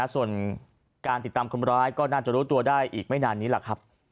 ส่วนการติดตามคนร้ายก็น่าจะรู้ตัวได้อีกไม่นานนี้แหละครับ